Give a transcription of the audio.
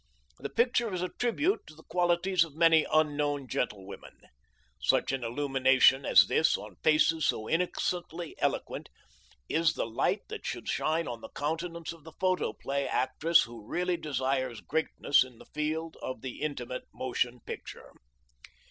The picture is a tribute to the qualities of many unknown gentlewomen. Such an illumination as this, on faces so innocently eloquent, is the light that should shine on the countenance of the photoplay actress who really desires greatness in the field of the Intimate Motion Picture.